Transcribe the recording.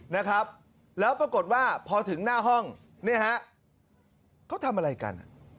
นะครับแล้วปรากฏว่าพอถึงหน้าห้องเนี่ยฮะเขาทำอะไรกัน